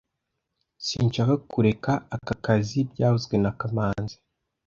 Sinshaka kureka aka kazi byavuzwe na kamanzi